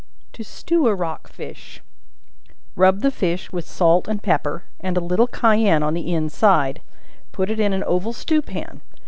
To Stew a Rock Fish. Rub the fish with salt and pepper, and a little cayenne on the inside; put it in an oval stew pan.